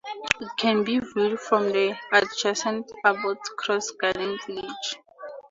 It can be viewed from the adjacent Abbots Cross Garden Village.